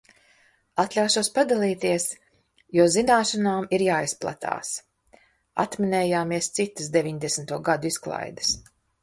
Atļaušos padalīties, jo zināšanām ir jāizplatās. Atminējāmies citas deviņdesmito gadu izklaides.